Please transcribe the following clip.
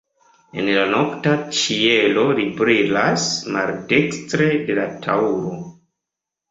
En la nokta ĉielo li brilas maldekstre de la Taŭro.